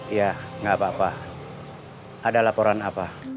iya nggak apa apa ada laporan apa